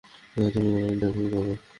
আর তুমি, তোমার ইন্টারভিউ কবে?